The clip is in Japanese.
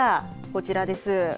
こちらです。